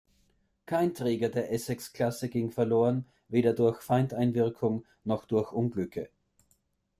Kein Träger der Essex-Klasse ging verloren, weder durch Feindeinwirkung noch durch Unglücke.